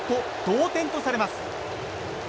同点とされます。